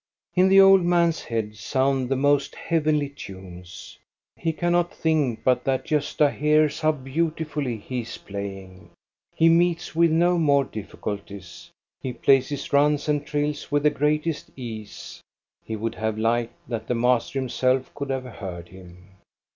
Iln the old man's head sound the most heavenly ►nes. He cannot think but that Gosta hears how CautifuIIy he is playing. He meets with no more ifficulties. He plays his runs and trills with the greatest ease. He would have liked that the master himself could have heard him.